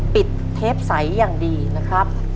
เทปใสอย่างดีนะครับ